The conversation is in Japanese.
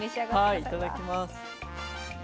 はいいただきます。